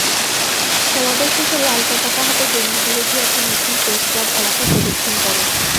সমাবেশ শেষে লাল পতাকা হাতে জঙ্গিবিরোধী একটি মিছিল প্রেসক্লাব এলাকা প্রদক্ষিণ করে।